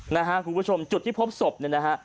นะฮะคุณผู้ชมจุดที่พบศพเนี่ยนะฮะ